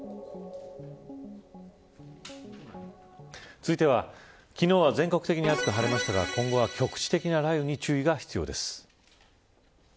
続いては、昨日は全国的に暑く晴れましたが今後は局地的な雷雨に注意が必要です。